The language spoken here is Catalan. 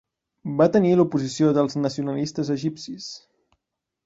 Va tenir l'oposició dels nacionalistes egipcis.